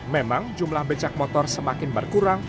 memang jumlah becak motor semakin berkurang